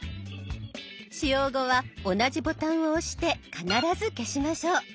使用後は同じボタンを押して必ず消しましょう。